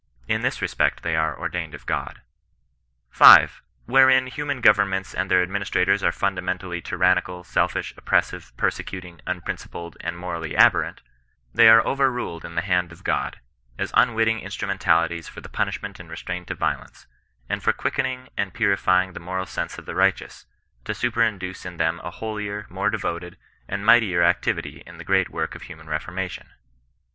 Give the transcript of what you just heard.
In this respect they are ordained of God. 5. Wherein human govem ments and their administrators are fundamentally tyran nical, selfish, oppressive, persecuting, unprincipled, and morally abhorrent, they are overruled in the hand of God, as unwitting instrumentalities for the punishment and restraint of violence, and for quickening and puri fying the moral sense of the righteous, to superinduce in them a holier, more devoted, and mightier activity in the great work of human reformation.